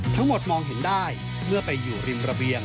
ทั้งหมดมองเห็นได้เมื่อไปอยู่ริมระเบียง